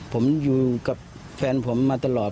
ผมอยู่กับแฟนผมมาตลอด